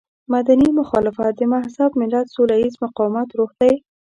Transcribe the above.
مدني مخالفت د مهذب ملت سوله ييز مقاومت روح دی.